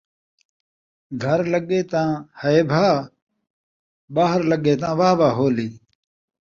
گھر لڳے تاں ہائے بھاء ، ٻاہر لڳے تاں واہ واہ ہولی